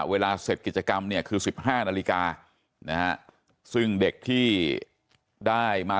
เสร็จกิจกรรมเนี่ยคือ๑๕นาฬิกานะฮะซึ่งเด็กที่ได้มา